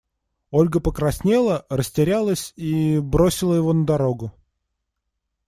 Ольга покраснела, растерялась и… бросила его на дорогу.